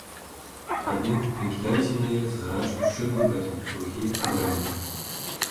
Адны накідаліся на яе з гарачым, шчырым імпэтам, другія абаранялі.